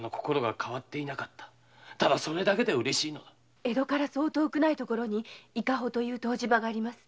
江戸から遠くない所に伊香保という湯治場があります。